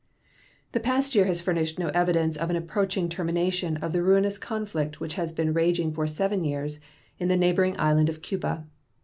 The past year has furnished no evidence of an approaching termination of the ruinous conflict which has been raging for seven years in the neighboring island of Cuba.